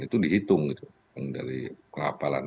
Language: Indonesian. itu dihitung gitu dari pengapalan